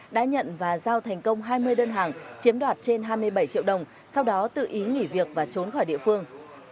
đã nhận và giao thành công hai mươi đơn hàng chiếm đoạt trên hai mươi bảy triệu đồng sau đó tự ý nghỉ việc và trốn khỏi địa phương